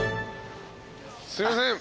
すいません